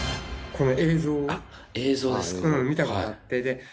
見たことあって。